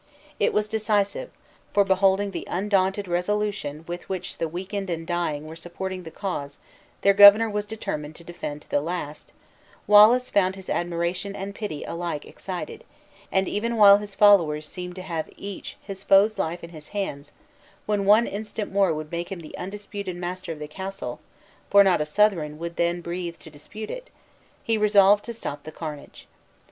It was decisive; for beholding the undaunted resolution with which the weakened and dying were supporting the cause their governor was determined to defend to the last, Wallace found his admiration and his pity alike excited; and even while his followers seemed to have each his foe's life in his hands, when one instant more would make him the undisputed master of the castle (for not a Southron would then breathe to dispute it), he resolved to stop the carnage.